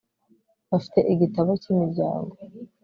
Bafite igitabo cyimiryango